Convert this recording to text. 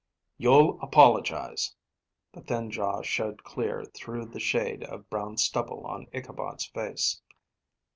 "You'll apologize!" The thin jaw showed clear, through the shade of brown stubble on Ichabod's face.